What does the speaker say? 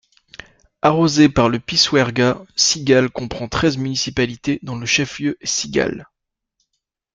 Arrosée par le Pisuerga, Cigales comprend treize municipalités dont le chef-lieu est Cigales.